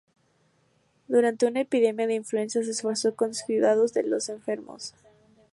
Durante una epidemia de influenza se esforzó con cuidados a los enfermos.